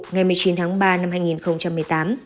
ngày một mươi chín tháng ba năm hai nghìn một mươi tám